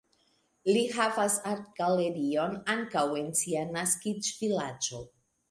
Li havas artgalerion ankaŭ en sia naskiĝvilaĝo.